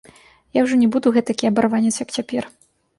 Я ўжо не буду гэтакі абарванец, як цяпер.